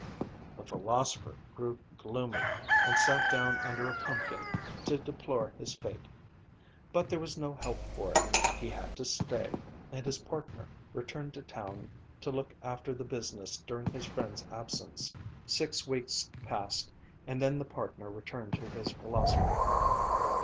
The philosopher grew gloomy and sat down under a pumpkin to deplore his fate. But there was no help for it. He had to stay, and his partner returned to town to look after the business during his friend's absence. Six weeks passed and then the partner returned to his philosopher.